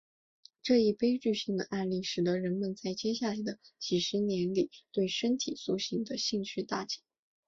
这一悲剧性的案例使得人们在接下来的几十年里对身体塑形的兴趣大减。